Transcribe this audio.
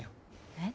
えっ。